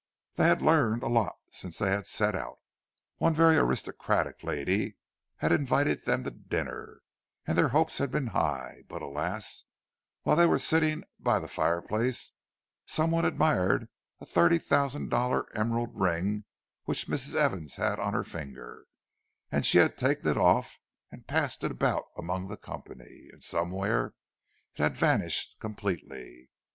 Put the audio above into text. They had learned a lot since they set out. One very aristocratic lady had invited them to dinner, and their hopes had been high—but alas, while they were sitting by the fireplace, some one admired a thirty thousand dollar emerald ring which Mrs. Evans had on her finger, and she had taken it off and passed it about among the company, and somewhere it had vanished completely!